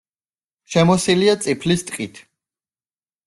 შემოსილია წიფლის ტყით.